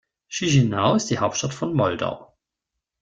Chișinău ist die Hauptstadt von Moldau.